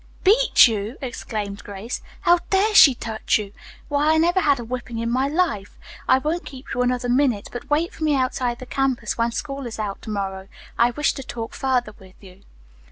"Beat you!" exclaimed Grace. "How dare she touch you? Why, I never had a whipping in my life! I won't keep you another minute, but wait for me outside the campus when school is out to morrow. I wish to talk further with you."